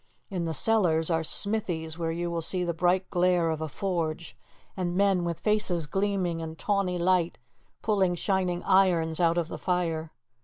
In the cellars are smithies where you will see the bright glare of a forge and men with faces gleaming in tawny light pulling shining irons out of the fire.